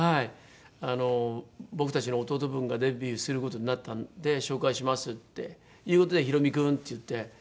「僕たちの弟分がデビューする事になったんで紹介します」っていう事で「ひろみ君！」って言って。